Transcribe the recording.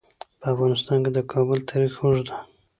په افغانستان کې د کابل تاریخ اوږد دی.